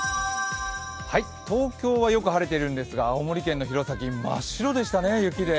東京はよく晴れているんですが、青森県の弘前、真っ白でしたね、雪で。